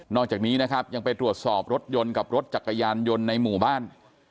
อกจากนี้นะครับยังไปตรวจสอบรถยนต์กับรถจักรยานยนต์ในหมู่บ้าน